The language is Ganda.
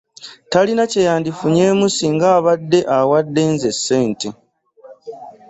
Talina kye yandifunyemu singa abadde awadde nze ssente.